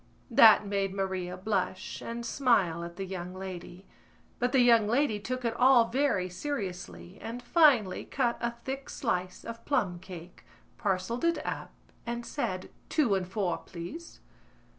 That made Maria blush and smile at the young lady; but the young lady took it all very seriously and finally cut a thick slice of plumcake, parcelled it up and said: "Two and four, please."